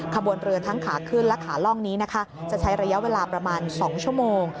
ขบวนเรือทั้งขาขึ้นและขาล่องนี้นะคะจะใช้ระยะเวลาประมาณ๒ชั่วโมง